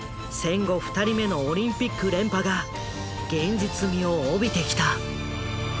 戦後２人目のオリンピック連覇が現実味を帯びてきた。